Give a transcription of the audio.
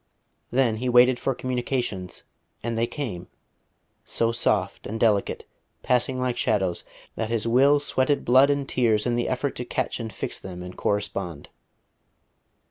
Then he waited for communications, and they came, so soft and delicate, passing like shadows, that his will sweated blood and tears in the effort to catch and fix them and correspond....